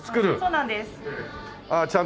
そうなんです。